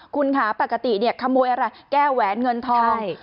คุณค่ะปกติเนี่ยขโมยอะไรแก้แหวนเงินทอง